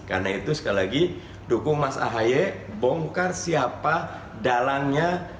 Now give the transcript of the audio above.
karena itu sekali lagi dukung mas ahy bongkar siapa dalangnya